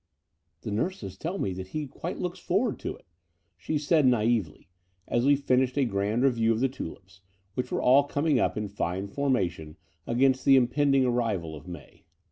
^'The nurses tell me that he quite looks forward to it," she said mdveiy, as we finished a grand review of the tulips, which were all coming up in fine formation against the impending arrival of May.